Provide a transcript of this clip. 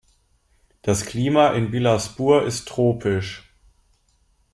Das Klima in Bilaspur ist tropisch.